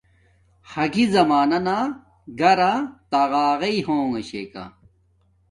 حرگی زمانانا گھرا تاقاقݵ ہونگے چھے کا